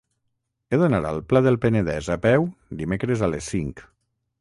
He d'anar al Pla del Penedès a peu dimecres a les cinc.